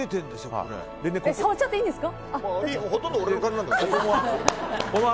触っちゃっていいんですか？